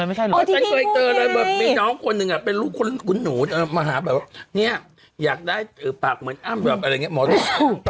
ไม่เคยเจอเลยมีน้องคนหนึ่งเป็นลูกคุณหนูมาหาแบบว่าอยากได้ตือปากเหมือนอ้ำหมอต้องทำแบบนี้